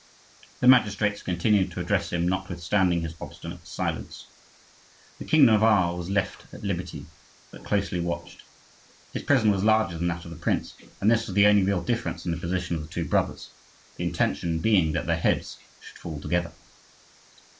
The magistrates continued to address him notwithstanding his obstinate silence. The king of Navarre was left at liberty, but closely watched; his prison was larger than that of the prince, and this was the only real difference in the position of the two brothers,—the intention being that their heads should fall together.